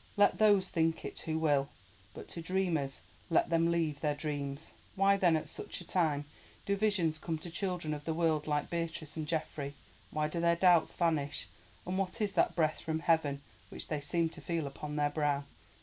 Let those think it who will, but to dreamers let them leave their dreams. Why then, at such a time, do visions come to children of the world like Beatrice and Geoffrey? Why do their doubts vanish, and what is that breath from heaven which they seem to feel upon their brow?